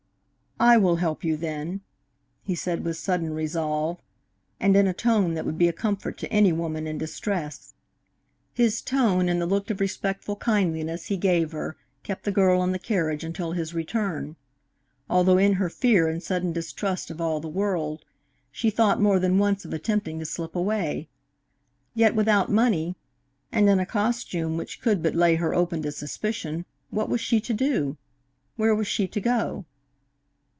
"I will help you, then," he said with sudden resolve, and in a tone that would be a comfort to any woman in distress. His tone and the look of respectful kindliness he gave her kept the girl in the carriage until his return, although in her fear and sudden distrust of all the world, she thought more than once of attempting to slip away. Yet without money, and in a costume which could but lay her open to suspicion, what was she to do? Where was she to go?